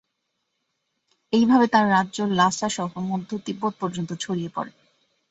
এইভাবে তাঁর রাজ্য লাসা সহ মধ্য তিব্বত পর্যন্ত ছড়িয়ে পড়ে।